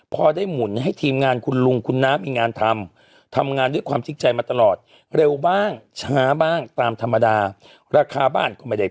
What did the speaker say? พอได้หมุนให้ทีมงานคุณลุงคุณน้ำมีงานทำ